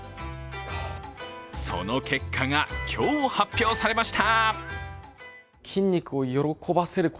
その結果が今日、発表されました。